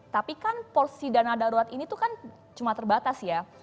tapi kan porsi dana darurat ini tuh kan cuma terbatas ya